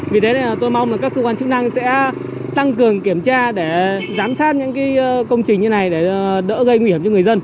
vì thế tôi mong là các cơ quan chức năng sẽ tăng cường kiểm tra để giám sát những công trình như này để đỡ gây nguy hiểm cho người dân